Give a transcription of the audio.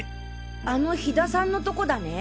あの火田さんのとこだね。